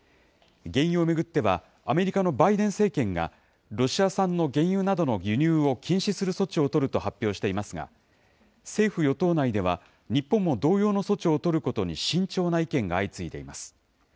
原油を巡っては、アメリカのバイデン政権が、ロシア産の原油などの輸入を禁止する措置を取ると発表していますが、政府・与党内では、日本も同様の措置を取ることに慎重な意見が相次いでいます。